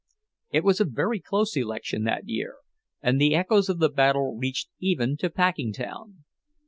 It was a very close election that year, and the echoes of the battle reached even to Packingtown.